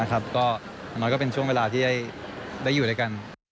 อย่างน้อยก็เป็นช่วงเวลาที่ได้อยู่ด้วยกัน